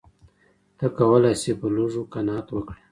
ته کولای شې په لږو قناعت وکړې.